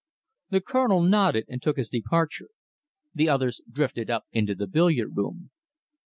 The Colonel nodded and took his departure. The others drifted up into the billiard room.